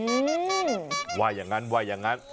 อื้อว่าอย่างนั้น